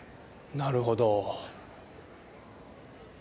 なるほど。